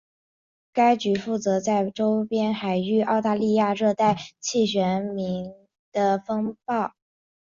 该局负责在周边海域澳大利亚热带气旋命名的风暴。